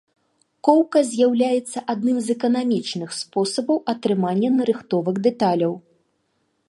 Коўка з'яўляецца адным з эканамічных спосабаў атрымання нарыхтовак дэталяў.